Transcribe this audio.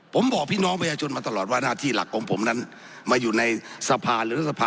ผมบอกพี่น้องประชาชนมาตลอดว่าหน้าที่หลักของผมนั้นมาอยู่ในสภาหรือรัฐสภา